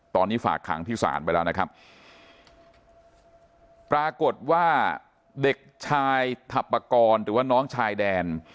ตอนนี้ฝากขังที่ศาลไปแล้วนะครับปรากฏว่าเด็กชายถัปกรณ์หรือว่าน้องชายแดน